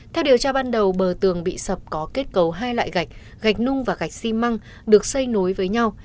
theo điều tra ban đầu bờ tường bị sập có kết cấu hai loại gạch gạch nung và gạch xi măng được xây nối với nhau